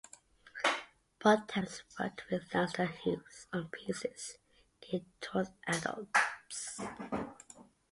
Bontemps worked with Langston Hughes on pieces geared toward adults.